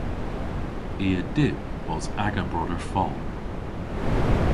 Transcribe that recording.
I a dyb bos aga broder fol.